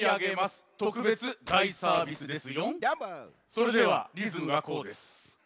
それではリズムがこうです。